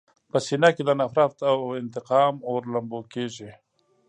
په سینه کې د نفرت او انتقام اور لمبور کېږي.